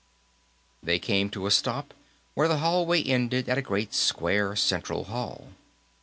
They came to a stop where the hallway ended at a great square central hall.